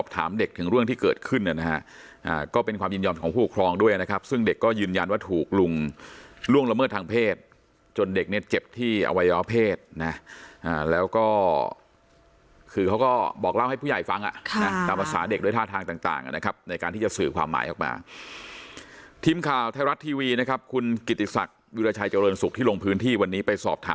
ถามเด็กถึงเรื่องที่เกิดขึ้นนะฮะก็เป็นความยินยอมของผู้คลองด้วยนะครับซึ่งเด็กก็ยืนยันว่าถูกลุงล่วงละเมิดทางเพศจนเด็กเนี่ยเจ็บที่อวัยย้อเพศนะแล้วก็คือเขาก็บอกเล่าให้ผู้ใหญ่ฟังอ่ะค่ะตามศาลเด็กโดยท่าทางต่างนะครับในการที่จะสื่อความหมายออกมาทีมข่าวไทยรัฐทีวีนะครับคุณกิต